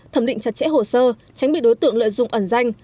thẩm định chặt chẽ hồ sơ tránh bị đối tượng lợi dụng ẩn danh